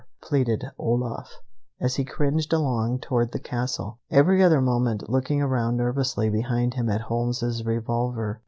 pleaded Olaf, as he cringed along toward the castle, every other moment looking around nervously behind him at Holmes's revolver.